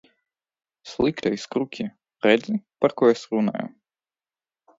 Sliktais kruķi, redzi, par ko es runāju?